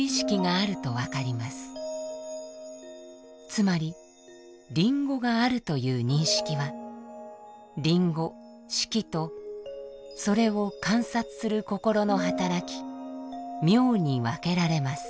つまりリンゴがあるという認識はリンゴ色とそれを観察する心の働き名に分けられます。